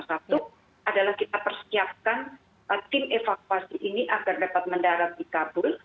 satu adalah kita persiapkan tim evakuasi ini agar dapat mendarat di kabul